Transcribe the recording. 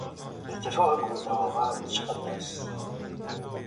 ارتفاع کوه دماوند چقدر است؟